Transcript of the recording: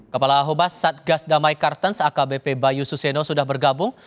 kepala ahobas satgas damai kartens akbp bayu suseno sudah bergabung